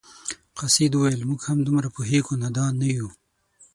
قاصد وویل موږ هم دومره پوهیږو نادان نه یو.